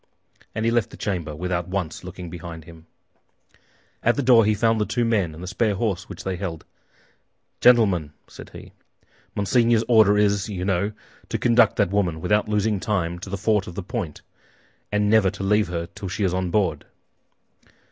And he left the chamber without once looking behind him. At the door he found the two men and the spare horse which they held. "Gentlemen," said he, "Monseigneur's order is, you know, to conduct that woman, without losing time, to Fort La Pointe, and never to leave her till she is on board."